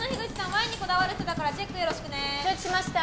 ワインにこだわる人だからチェックよろしくね承知しました